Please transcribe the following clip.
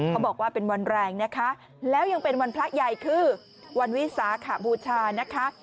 เขาบอกว่าเป็นวันแรงนะคะแล้วยังเป็นวันพระใหญ่คือวันวิสาขบูชานะคะ